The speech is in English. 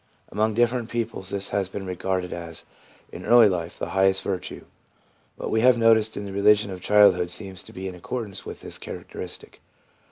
Among different peoples this has been regarded as, in early life, the highest virtue. What we have noticed in the religion of childhood seems to be in accordance with this characteristic.